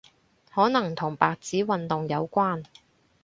可能同白紙運動有關